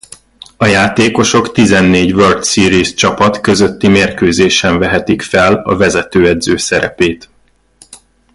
A játékosok tizennégy World Series-csapat közötti mérkőzéseken vehetik fel a vezetőedző szerepét.